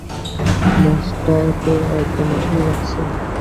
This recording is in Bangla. মোঁচটা তো একদম আসল লাগছে।